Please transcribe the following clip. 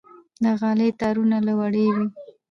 د غالۍ تارونه له وړۍ وي.